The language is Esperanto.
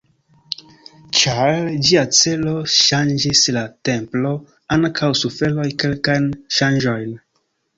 Ĉar ĝia celo ŝanĝis la templo ankaŭ suferoj kelkajn ŝanĝojn.